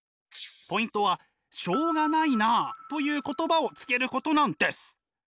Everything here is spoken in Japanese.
ポイントはしょうがないなあという言葉をつけることなんです！